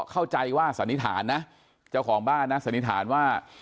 เข้าใจว่าสันนิษฐานนะเจ้าของบ้านนะสันนิษฐานว่า